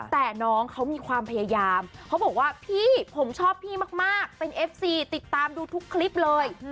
แต่น้องเขามีความพยายามเขาบอกว่าพี่ผมชอบพี่มากเป็นเอฟซีติดตามดูทุกคลิปเลย